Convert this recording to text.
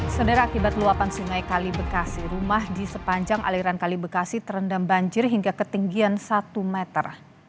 sedara akibat luapan sungai kalibekasi rumah di sepanjang aliran kalibekasi terendam banjir hingga ketinggian satu meter